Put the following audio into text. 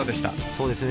そうですね